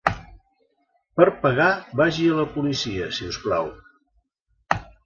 Per pagar vagi a la policia, si us plau.